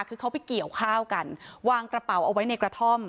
คือเขาไปเกี่ยวข้าวกันวางกระเป๋าเอาไว้ในกระท่อม